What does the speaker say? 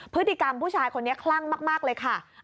พฤติกรรมผู้ชายคนนี้คลั่งมากเลยค่ะ